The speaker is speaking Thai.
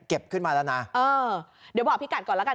ขึ้นมาแล้วนะเออเดี๋ยวบอกพี่กัดก่อนแล้วกัน